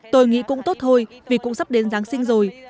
tôi nghĩ cũng tốt thôi vì cũng sắp đến giáng sinh rồi